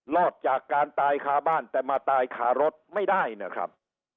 รอดจากการตายคาบ้านแต่มาตายคารถไม่ได้นะครับ